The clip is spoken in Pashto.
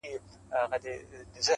o همدم نه سو د یو ښکلي د ښکلو انجمن کي,